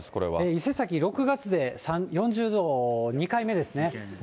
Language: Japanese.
伊勢崎６月で４０度、２回目ですね。